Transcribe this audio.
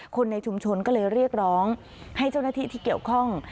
คนในชุมชนก็เลยเรียกร้องให้เจ้าหน้าที่ที่เกี่ยวข้อง